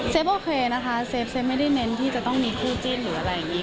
โอเคนะคะเซฟไม่ได้เน้นที่จะต้องมีคู่จิ้นหรืออะไรอย่างนี้